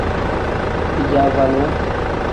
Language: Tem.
Bijaavalaa.